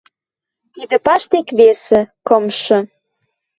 Тӹдӹ паштек весӹ, кымшы...